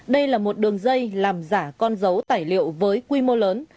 đây là một đường dây làm giả con dấu tài liệu với quy mô lớn